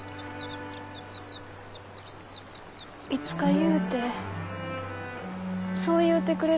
いつかゆうてそう言うてくれるが？